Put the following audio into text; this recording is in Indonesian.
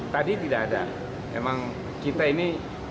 tadi tidak ada memang kita ini